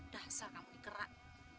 dah asal kamu dikerak